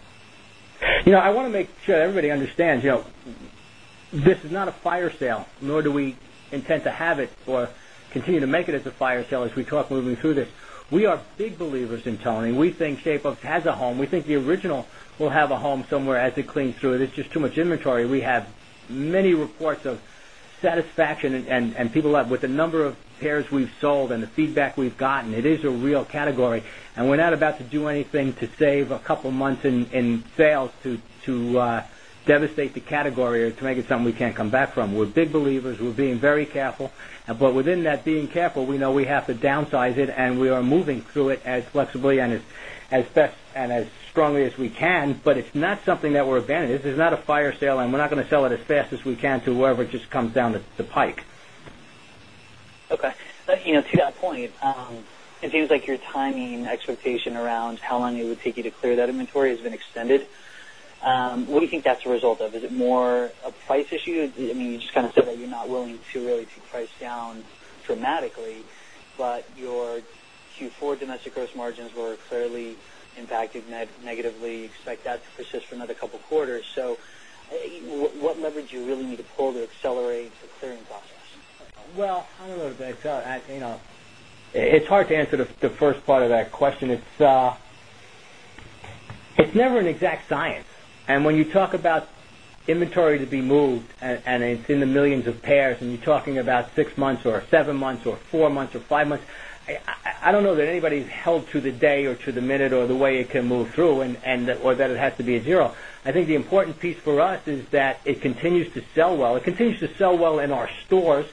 I want to make sure everybody understands this is not a fire sale nor do we intend to have it or continue to make it as a fire sale as we talk moving through this. We are big believers in Tony. We think Shape Ups has a home. We think the original will have a home somewhere as it cleans through. There's just too much inventory. We have many reports of satisfaction and people have with the number of pairs we've sold and the feedback we've gotten, it is a real category. And we're not about to do anything to save a couple of months in sales to devastate the category or to make it something we can't come back from. We're big believers. We're being very careful. But within that being careful, we know we have to downsize it and we are moving through it as flexibly and as best and as strongly as we can, but it's not something that we're advantaged. It's not a fire sale and we're not going to sell it as fast as we can to whoever it just comes down the pike. Okay. To that point, it seems like your timing expectation around how long it would take you to clear that inventory has been extended. What do you think that's a result of? Is it more a price issue? I mean, you just kind of said that you're not willing to really price down dramatically, but your Q4 domestic gross margins were clearly impacted negatively. You expect that to persist for another couple of quarters. So what leverage do you really need to pull to accelerate the clearing process? Well, I'm going to go to Dave. It. It's hard to answer the first part of that question. It's never an exact science. And when you talk about inventory to be moved and it's in the millions of pairs and you're talking about 6 months or 7 months or 4 months or 5 months, I don't know that anybody's held to the day or to the minute or the way it can move through and or that it has to be a 0. I think the important piece for us is that it continues to sell well. It continues to sell well in our stores.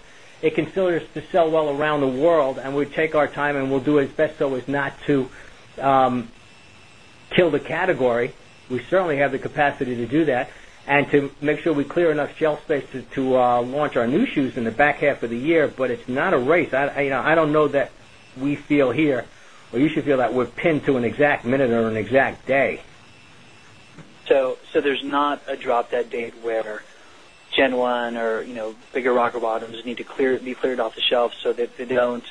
It considers to sell well around the world and we take our time and we'll do as best so as not to kill the category. We certainly have the capacity to do that and to make sure we clear enough shelf space to launch our new shoes in the back half of the year, but it's not a race. I don't know that we feel here or you should feel that we're pinned to an exact minute or an exact day. So there's not a drop dead date where Gen 1 or bigger rocker bottoms need to clear be cleared off the shelf so that they don't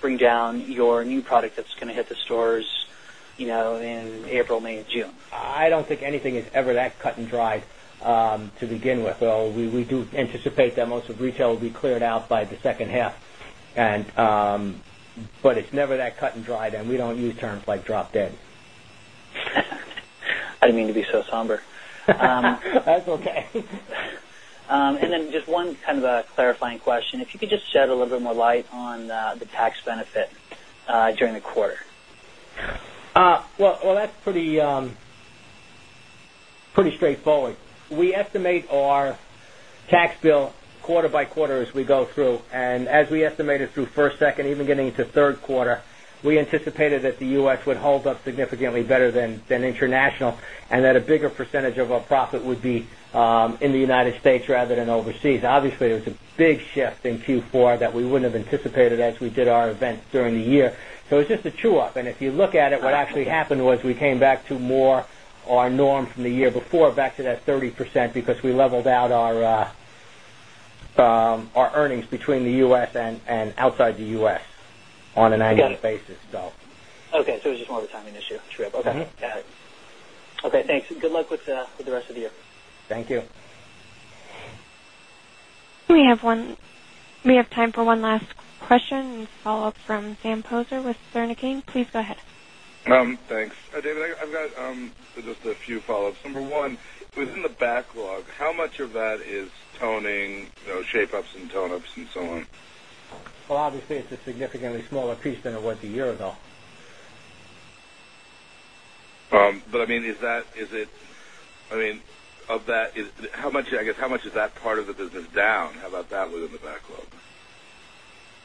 bring down your new product that's going to hit the stores in April, May June? I don't think anything is ever that cut and dried to begin with. We do anticipate that most of retail will be cleared out by the second half. And but it's never that cut and dried and we don't use terms like drop dead. I didn't mean to be so somber. That's okay. And then just one kind of a clarifying question. If you could just shed a little bit more light on the tax benefit during the quarter? Well, that's pretty straightforward. We estimate our tax bill quarter by quarter as we go through. And as we estimated through 1st, 2nd, even getting into Q3, we anticipated that the U. S. Would hold up significantly better than international and that a bigger percentage of our profit would be in the United States rather than overseas. Obviously, it was a big shift in Q4 that we wouldn't have anticipated as we did our events during the year. So it's just a true up. And if you look at it, what actually happened was we came back to more our norm from the year before back to that 30% because we leveled out our earnings between the U. S. And outside the U. S. On an aggregate basis. Okay. So it's just more of a timing issue. Okay. Got it. Okay. Thanks and good luck with the rest of the year. Thank you. We have time for one last question and follow-up from Sam Poser with Cerner King. Please go ahead. Thanks. David, I've got just a few follow ups. Number 1, within the backlog, how much of that is toning, shape ups and tone ups and so on? Well, obviously, it's a significantly smaller piece than it was a year ago. But I mean is that is it I mean of that how much I guess how much is that part of the business down? How about that within the backlog?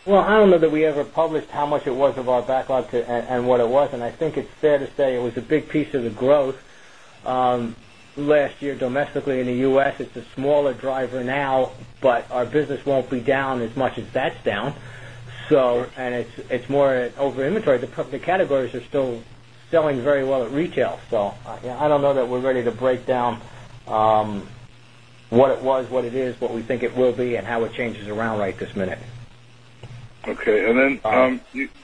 Well, I don't know that we ever published how much it was of our backlog and what it was. And I think it's fair to say it was a big piece of the growth last year domestically in the U. S. It's a smaller driver now, but our business won't be down as much as that's down. So and it's more over inventory. The categories are still selling very well at retail. So I don't know that we're ready to break down what it was, what it is, what we think it will be and how it changes around right this minute. Okay. And then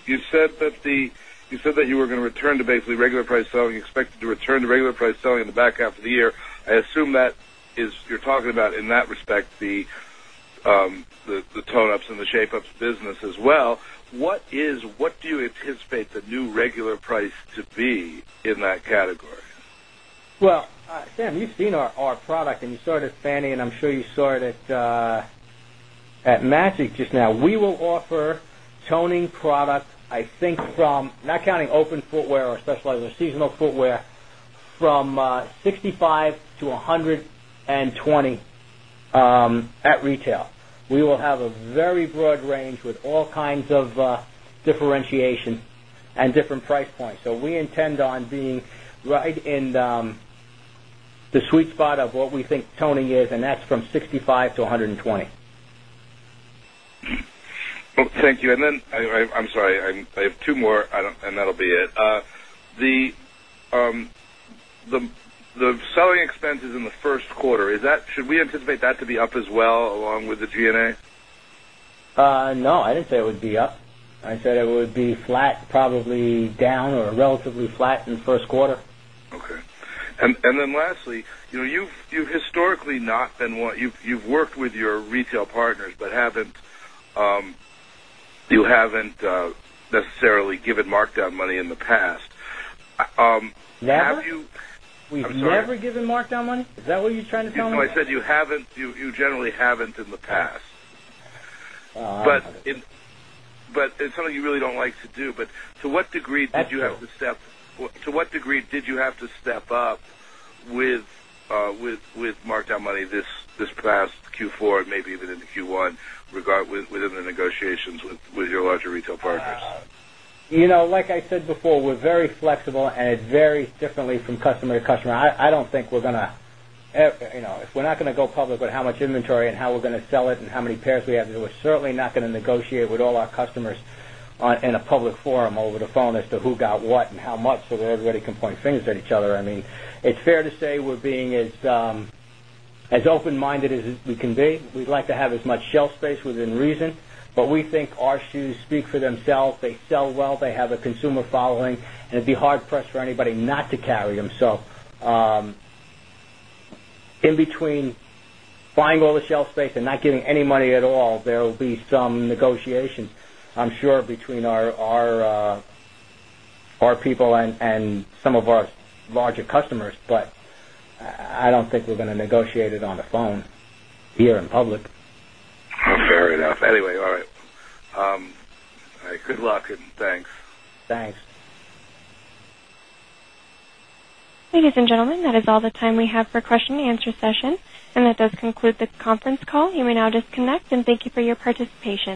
you said that you were going to return to basically regular price selling, you expected to return to regular price selling in the back half of the year. I assume that is you're talking about in that respect the tone ups and the shape ups business as well. What is what do you anticipate the new regular price to be in that category? Well, Sam, you've seen our product and you saw it at Fannie and I'm sure you saw it at Magic just now. We will offer toning products, I think from not counting open footwear or specialized or seasonal footwear from 65 to 120 at retail. We will have a very broad range with all kinds of differentiation and different price points. So we intend on being right in the sweet spot of what we think toning is and that's from 65 to 120. Thank you. And then I'm sorry, I have 2 more and that'll be it. The selling expenses in the Q1, is that should we anticipate that to be up as well along with the G and A? No, I didn't say it would be up. I said it would be flat, probably down or relatively flat in the Q1. Okay. And then lastly, you've historically not been what you've worked with your retail partners, but you haven't necessarily given markdown money in the past. Have you ever given markdown money? Is that what you're trying to tell me? No, I said you haven't you generally haven't in the past. But it's something you really don't like to do, but to what degree did you have to step up with markdown money this past Q4 and maybe even into Q1 regard within the negotiations with your larger retail partners? Like I said before, we're very flexible and it varies differently from customer to customer. I don't think we're going to if we're not going to go public with how much inventory and how we're going to sell it and how many pairs we have, we're certainly not going to negotiate with all our customers in a public forum over the phone as to who got what and how much so that everybody can point fingers at each other. I mean, it's fair to say we're being as open minded as we can be. We'd like to have as much shelf space within reason, but we think our shoes speak for themselves. They sell well. They have a consumer following and it'd be hard pressed for anybody not to carry them. So in between buying all the shelf space and not giving any money at all, there will be some negotiations I'm sure between our people and some of our larger customers, but I don't think we're going to negotiate it on the phone here in public. Fair enough. Anyway, all right. Good luck and thanks. Thanks. Ladies and gentlemen, that is all the time we have for question and answer session. And that does conclude the conference call. You may now disconnect and thank you for your participation.